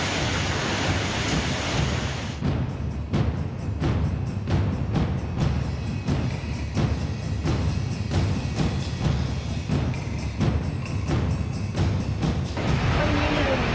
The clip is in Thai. ต้นที่สี่ต้นนี้แค่จะเห็นเลย